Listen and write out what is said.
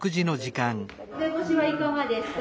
梅干しはいかがですか？